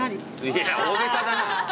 いや大げさだな！